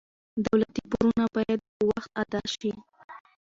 دولتي پورونه باید په وخت ادا شي.